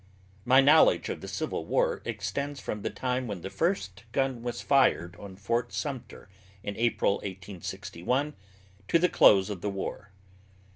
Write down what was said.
My knowledge of the Civil War, extends from the time when the first gun was fired on Fort Sumter in April, 1861, to the close of the War.